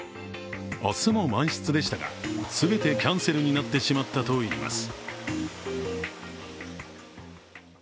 明日も満室でしたが全てキャンセルになってしまったといいます。